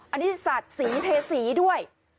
อันนี้สัตว์สีเทสีด้วย